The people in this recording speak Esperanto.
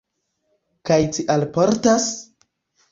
Kaj ci alportas?